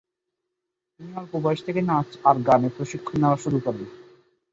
তিনি অল্প বয়স থেকেই নাচ এবং গানে প্রশিক্ষণ নেওয়া শুরু করেন।